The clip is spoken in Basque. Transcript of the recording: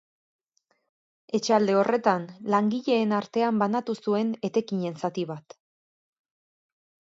Etxalde horretan, langileen artean banatu zuen etekinen zati bat.